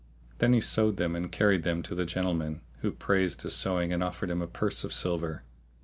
Then he sewed them and carried them to the gentleman, who praised his sewing and offered him a purse of silver.